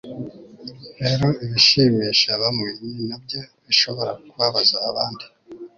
rero ibishimisha bamwe ni nabyo bishobora kubabaza abandi